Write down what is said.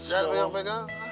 jangan banyak bengkel